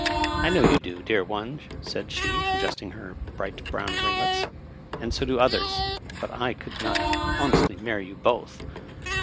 " I know you do, dear one," said she, adjusting her bright brown ringlets ;" and so do others : but I could not honestly marry you both."